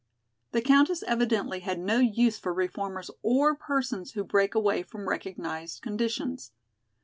The Countess evidently had no use for reformers or persons who break away from recognized conditions.